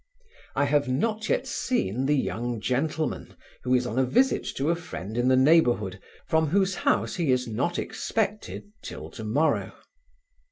I have not yet seen the young gentleman, who is on a visit to a friend in the neighbourhood, from whose house he is not expected 'till to morrow.